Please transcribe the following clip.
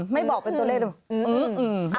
ไม่บอกเป็นตัวเล่นอึมอึม